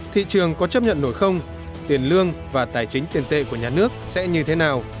thị trường có chấp nhận nổi không tiền lương và tài chính tiền tệ của nhà nước sẽ như thế nào